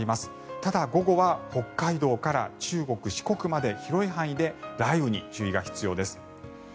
ただ、午後は北海道から中国、四国まで広い範囲で雷雨に注意が必要です。